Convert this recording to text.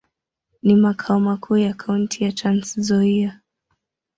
Ni makao makuu ya kaunti ya Trans-Nzoia.